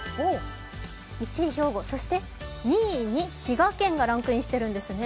１位兵庫、そして２位に滋賀県がランクインしているんですね。